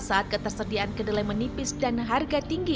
saat ketersediaan kedelai menipis dan harga tinggi